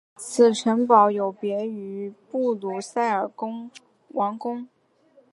此城堡有别于布鲁塞尔王宫。